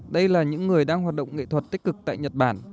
đây là những người đang hoạt động nghệ thuật tích cực tại nhật bản